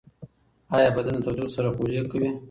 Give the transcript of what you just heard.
ایا بدن د تودوخې سره خولې کوي؟